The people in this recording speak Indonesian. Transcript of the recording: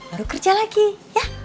baru kerja lagi ya